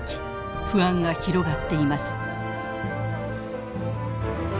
不安が広がっています。